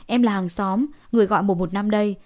em là hàng xóm người gọi mùa một năm đây